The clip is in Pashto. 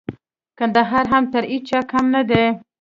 کندهار هم تر هيچا کم نه دئ.